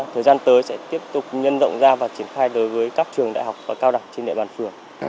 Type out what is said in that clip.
thời gian tới sẽ tiếp tục nhân rộng ra và triển khai đối với các trường đại học và cao đẳng trên địa bàn phường